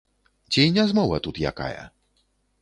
Ці не змова тут якая?